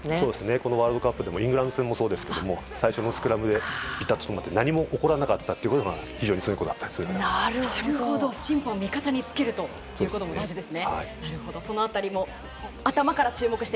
このワールドカップでもイングランド戦もそうですけれども最初のスクラムで何も起こらなかったということが審判を味方につけるということがあざす！